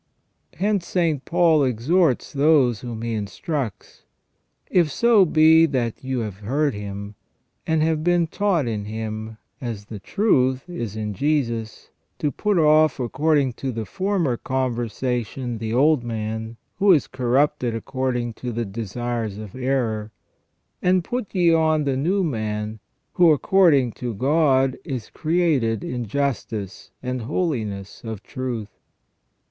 Hence St. Paul exhorts those whom he instructs :" If so be that you have heard Him, and have been taught in Him, as the truth is in Jesus, to put off", according to the former conversation, the old man, who is corrupted according to the desires of error : and put ye on the new man, who, according to God, is created in justice and holiness of truth